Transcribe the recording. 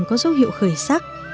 có dấu hiệu khởi sắc